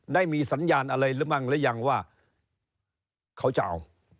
ได้มีสัญญาณอะไรหรือมั่งหรือยังว่าเขาจะเอา